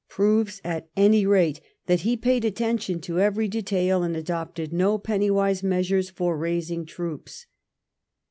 prores at any rate that be paid attention to eve^ de taily and adopted no pennywise measures for raising troopa.